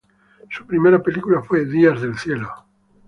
Su primera película fue "Días del cielo".